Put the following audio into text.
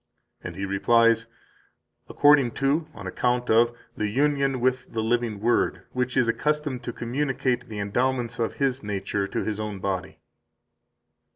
And he replies: "According to [On account of] the union with the living Word, which is accustomed to communicate the endowments of His nature to His own body."